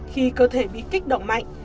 khi cơ thể bị kích động mạnh